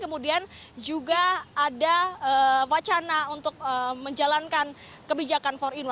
kemudian juga ada wacana untuk menjalankan kebijakan empat in satu